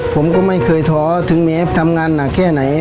ผมก็ไม่เคยท้อถึงแม้ทำงานหนักแค่ไหน